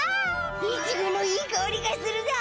イチゴのいいかおりがするだ。